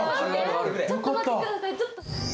あるちょっと待ってください